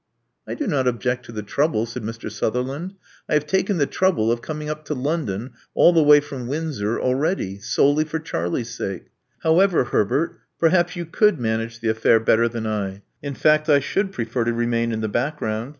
" I do not object to the trouble," said Mr. Suther land. I have taken the trouble of coming up to London, all the way from Windsor, already, solely for Charlie's sake. However, Herbert, perhaps you could manage the affair better than I. In fact, I should prefer to remain in the background.